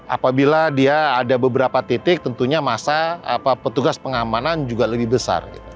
apabila dia ada beberapa titik tentunya masa petugas pengamanan juga lebih besar